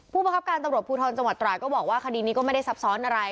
ประคับการตำรวจภูทรจังหวัดตราดก็บอกว่าคดีนี้ก็ไม่ได้ซับซ้อนอะไร